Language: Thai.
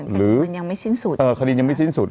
เหมือนคดีมันยังไม่ชิ้นสุด